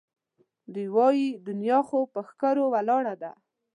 دوی وایي دنیا خو پهٔ ښکرو ولاړه ده